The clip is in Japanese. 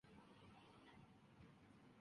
おはようございますご主人様